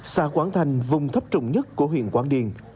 xa quảng thành vùng thấp trụng nhất của huyện quảng điền